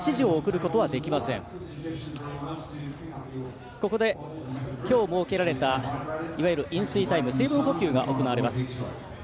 ここで今日設けられたいわゆる飲水タイム水分補給です。